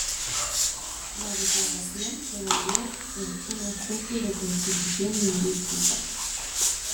La Declaración se volvió en una especie de constitución lingüística.